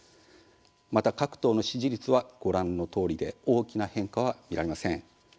また各党の支持率はご覧のとおりで大きな変化は見られません。